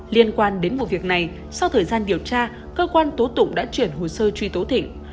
liên quan đến vụ việc này sau thời gian điều tra cơ quan tố tụng đã chuyển hồ sơ truy tố thịnh